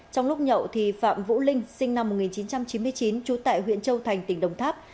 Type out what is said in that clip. trong lúc nhậu phạm vũ linh sinh năm một nghìn chín trăm chín mươi chín trú tại huyện châu thành tỉnh đồng tháp